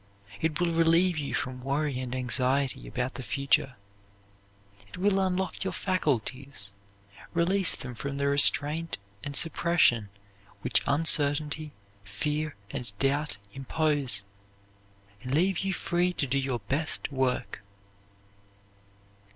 It will relieve you from worry and anxiety about the future; it will unlock your faculties, release them from the restraint and suppression which uncertainty, fear, and doubt impose, and leave you free to do your best work.